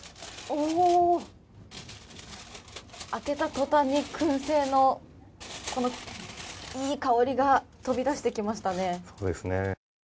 開けたとたんにくん製の、いい香りが飛び出してきましたね。